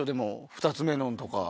２つ目のんとか。